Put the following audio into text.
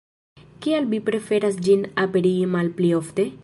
Kial vi preferas ĝin aperigi malpli ofte?